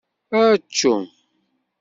Atcum!